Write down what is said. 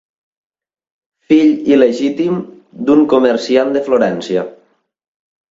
Fill il·legítim d'un comerciant de Florència.